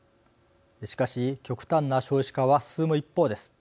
しかし極端な少子化は進む一方です。